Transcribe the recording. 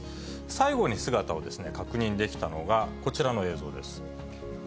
最後に姿を確認できたのが、こちらの映像です。